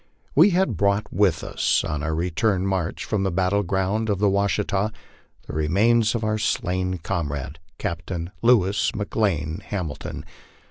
We had brought with us on our return march from the battle ground of the ^Vashita the remains of our slain comrade, Captain Louis McLane Hamil ton.